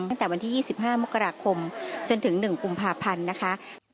ตั้งแต่วันที่๒๕มกราคมจนถึง๑กุมภาพันธ์นะคะ